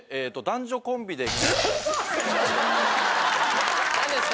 男女コンビで？